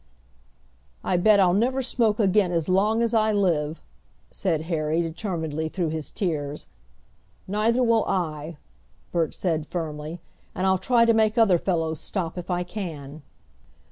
"I bet I'll never smoke again as long as I live," said Harry determinedly through his tears. "Neither will I," Bert said firmly, "and I'll try to make other fellows stop if I can."